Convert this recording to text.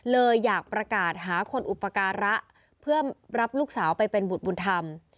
เลยอยากประกาศหาคนอุปการะเพื่อรับลูกสาวไปเป็นบุตรบุญธรรม